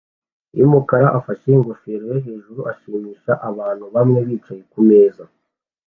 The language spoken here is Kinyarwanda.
yumukara ufashe ingofero yo hejuru ashimisha abantu bamwe bicaye kumeza